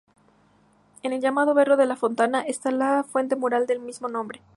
En el llamado barrio de La Fontana, está la fuente mural del mismo nombre.